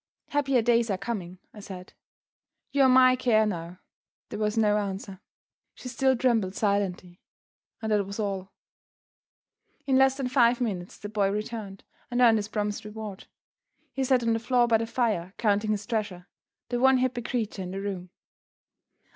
"Happier days are coming," I said; "you are my care now." There was no answer. She still trembled silently, and that was all. In less than five minutes the boy returned, and earned his promised reward. He sat on the floor by the fire counting his treasure, the one happy creature in the room.